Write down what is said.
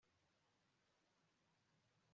ni kangahe ku munota umuntu usanzwe ahumbya